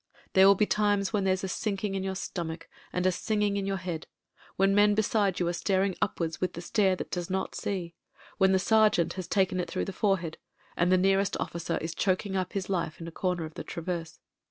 "There will be times when there's a sinking in your stomach and a singing in your head ; when men beside you are staring upwards with the stare that does not see; when the sergeant has taken it through the fore head and the nearest officer is choking up his life in the comer of the traverse.